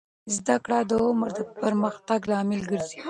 زده کړه د عمر د پرمختګ لامل ګرځي.